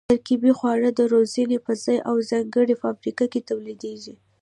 ترکیبي خواړه د روزنې په ځای او ځانګړې فابریکه کې تولیدېږي.